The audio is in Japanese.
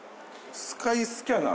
スカイスキャナー？